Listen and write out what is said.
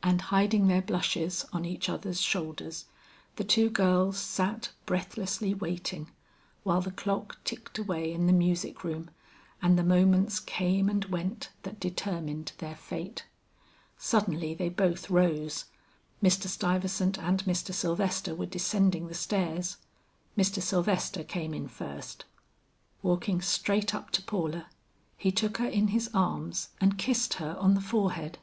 And hiding their blushes on each other's shoulders, the two girls sat breathlessly waiting, while the clock ticked away in the music room and the moments came and went that determined their fate. Suddenly they both rose. Mr. Stuyvesant and Mr. Sylvester were descending the stairs. Mr. Sylvester came in first. Walking straight up to Paula, he took her in his arms and kissed her on the forehead.